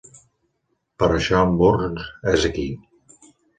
Per això en Burns és aquí.